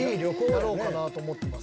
やろうかなと思ってます。